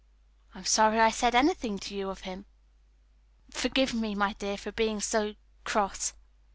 I'm sorry I said anything to you of him." "Forgive me, dear, for being so cross."